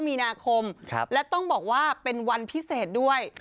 มีนาคมและต้องบอกว่าเป็นวันพิเศษด้วย